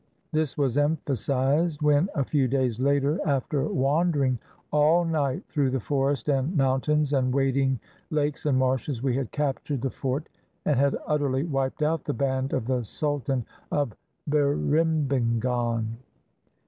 This was emphasized when, a few days later, after wandering all night through the forest and moun tains and wading lake and marshes, we had captured the fort and had utterly wiped out the band of the sultan of Birimbingan.